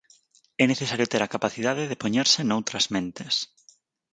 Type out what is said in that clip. É necesario ter a capacidade de poñerse noutras mentes.